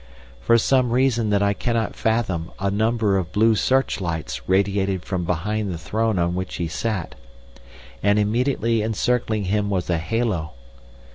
For some reason that I cannot fathom a number of blue search lights radiated from behind the throne on which he sat, and immediately encircling him was a halo.